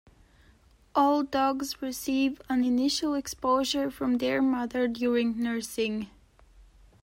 All dogs receive an initial exposure from their mother during nursing.